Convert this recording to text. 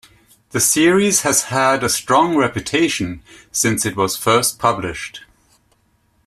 The series has had a strong reputation since it was first published.